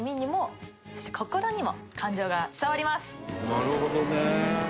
なるほどね。